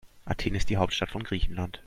Athen ist die Hauptstadt von Griechenland.